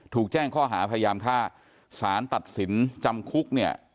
ถูกแจ้งข้อหาพยายามฆ่าสารตัดสินจำคุกเนี่ย